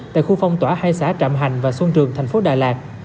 tại khu phong tỏa hai xã trạm hành và xuân trường thành phố đà lạt